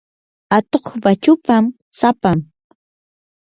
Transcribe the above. atuqpa chupan sapam.